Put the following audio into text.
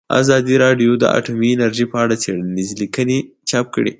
ازادي راډیو د اټومي انرژي په اړه څېړنیزې لیکنې چاپ کړي.